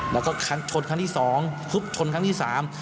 แล้วก็คันชนครั้งที่สองทุบชนครั้งที่สาม